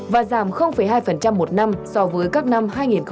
và giảm hai một năm so với các năm hai nghìn một mươi chín hai nghìn hai mươi